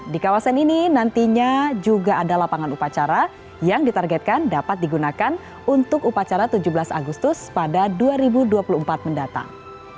di kawasan ini nantinya juga ada lapangan upacara yang ditargetkan dapat digunakan untuk upacara tujuh belas agustus pada dua ribu dua puluh empat mendatang